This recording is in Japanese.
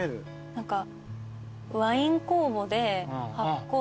何か。